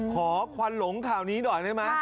ขอควันหลงข๋านี้ฮ่าวหนึ่งหน่อยได้มั้ย